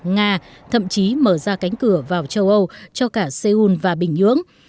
nga thậm chí mở ra cánh cửa vào châu âu cho cả seoul và bình nhưỡng